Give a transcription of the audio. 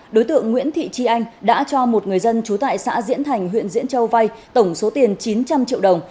đối tượng nguyễn thị tri anh đã cho một người dân trú tại xã diễn thành huyện diễn châu vai tổng số tiền chín trăm linh triệu đồng